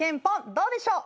どうでしょう？